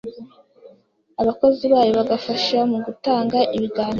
abakozi bayo bagafasha mu gutanga ibiganiro